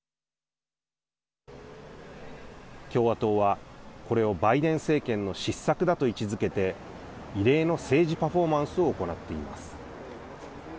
共和党はこれをバイデン政権の失策だと位置づけて異例の政治パフォーマンスを行っています。